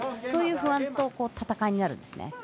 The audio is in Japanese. そういう不安と闘いになるんですね。